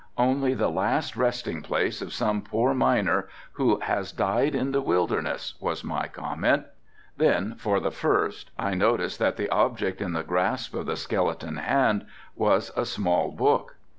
"Only the last resting place of some poor miner who has died in this wilderness," was my comment. Then, for the first, I noticed that the object in the grasp of the skeleton hand was a small book.